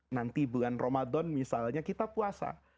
nanti bulan ramadan misalnya kita puasa